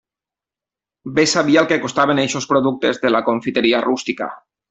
Bé sabia el que costaven eixos productes de la confiteria rústica.